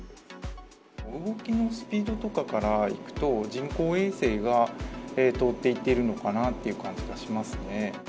動きのスピードとかからいくと、人工衛星が通っていっているのかなっていう感じがしますね。